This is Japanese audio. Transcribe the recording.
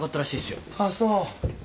あっそう。